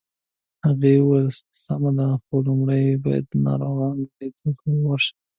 هغې وویل: سمه ده، خو لومړی باید د ناروغانو لیدو ته ورشم.